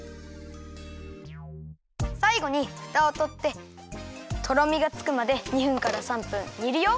さいごにふたをとってとろみがつくまで２分から３分にるよ！